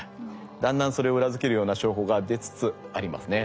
だんだんそれを裏付けるような証拠が出つつありますね。